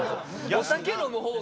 お酒飲むほうが。